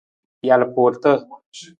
Jalpuurata.